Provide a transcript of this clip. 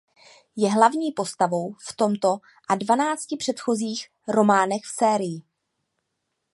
Je hlavní postavou v tomto a dvanácti předchozích románech v sérii.